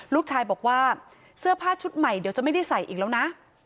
ลูกชายบอกว่าเสื้อผ้าชุดใหม่เดี๋ยวจะไม่ได้ใส่อีกแล้วนะ